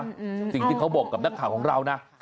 จริงเขาบอกกับนักข่าวของเรานะ